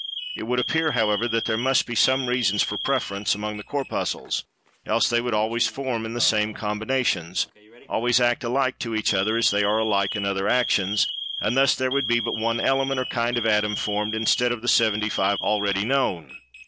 It would appear, however, that there must be some reasons for preference, among the Corpuscles, else they would always form in the same combinations—always act alike to each other, as they are alike in other actions—and thus there would be but one Element or kind of Atom, formed, instead of the seventy five, already known.